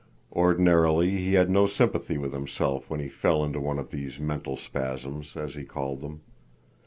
Ordinarily he had no sympathy with himself when he fell into one of these mental spasms, as he called them.